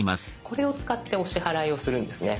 これを使ってお支払いをするんですね。